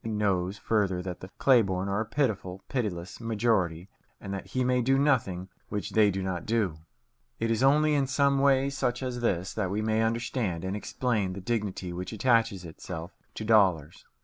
He knows further that the clay born are a pitiful, pitiless majority, and that he may do nothing which they do not do. It is only in some way such as this that we may understand and explain the dignity which attaches itself to dollars.